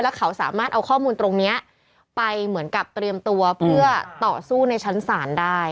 เขาสามารถเอาข้อมูลตรงนี้ไปเหมือนกับเตรียมตัวเพื่อต่อสู้ในชั้นศาลได้